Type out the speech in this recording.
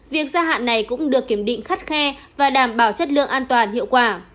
việc gia hạn này cũng được kiểm định khắt khe và đảm bảo chất lượng an toàn hiệu quả